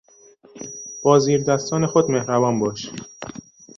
با زیر دستان خود مهربان باش.